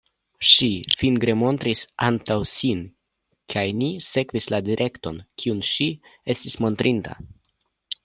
Ŝi fingre montris antaŭ sin kaj ni sekvis la direkton, kiun ŝi estis montrinta.